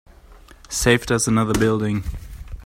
Saved us another building.